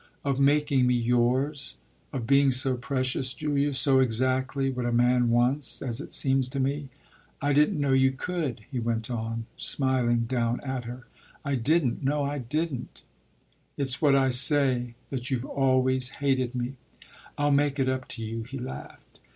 "Of making me yours; of being so precious, Julia, so exactly what a man wants, as it seems to me. I didn't know you could," he went on, smiling down at her. "I didn't no, I didn't." "It's what I say that you've always hated me." "I'll make it up to you!" he laughed.